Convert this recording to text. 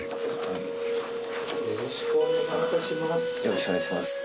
よろしくお願いします。